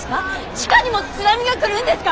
地下にも津波が来るんですか！？